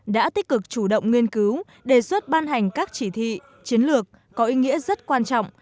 đã tích cực chủ động nghiên cứu đề xuất ban hành các chỉ thị chiến lược có ý nghĩa rất quan trọng